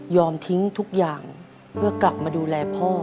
ทิ้งทุกอย่างเพื่อกลับมาดูแลพ่อ